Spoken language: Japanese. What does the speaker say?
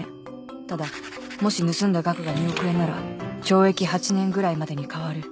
ただもし盗んだ額が２億円なら懲役８年ぐらいまでに変わる